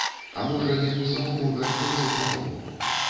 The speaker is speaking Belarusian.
А можа, яму самому гарчэй за каго.